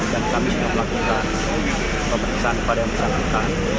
dan kami sudah melakukan pemeriksaan pada yang disampingkan